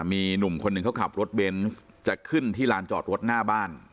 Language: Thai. มีหนุ่มคนหนึ่งเขาขับรถเบนส์จะขึ้นที่ลานจอดรถหน้าบ้าน